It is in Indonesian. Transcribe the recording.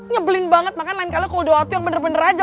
nyebelin banget makanya lain kalinya kalo doa tuh yang bener bener aja